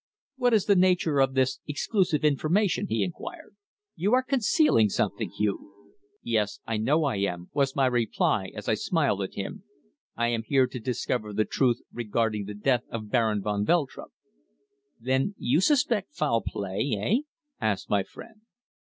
"What is the nature of this exclusive information?" he inquired. "You are concealing something, Hugh." "Yes. I know I am," was my reply as I smiled at him. "I am here to discover the truth regarding the death of Baron van Veltrup." "Then you suspect foul play eh?" asked my friend.